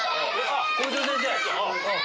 校長先生！